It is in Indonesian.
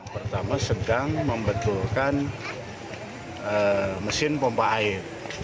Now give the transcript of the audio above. pertama sedang membetulkan mesin pompa air